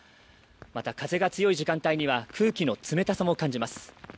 また風が強い時間帯には空気の冷たさも感じます。